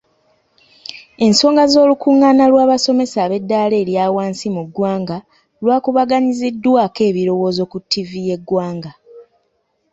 Ensonga z'olukungaana lw'abasomesa b'eddaala erya wansi mu ggwanga lwakubaganyiziddwako ebirowoozo ku ttivi y'eggwanga.